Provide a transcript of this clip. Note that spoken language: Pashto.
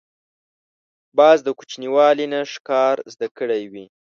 باز د کوچنیوالي نه ښکار زده کړی وي